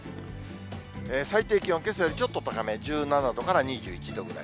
最低気温、けさよりちょっと高め、１７度から２１度ぐらい。